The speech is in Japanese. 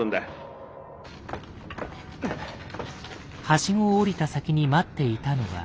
ハシゴを降りた先に待っていたのは。